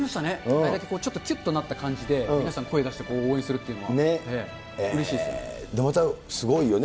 あれだけきゅっとなった感じで、皆さん声出して応援するっていうまたすごいよね。